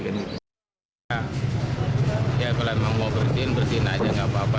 ya kalau emang mau bersihin bersihin aja nggak apa apa